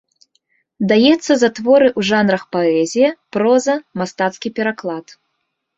Даецца за творы ў жанрах паэзія, проза, мастацкі пераклад.